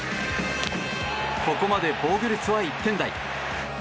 ここまで防御率は１点台。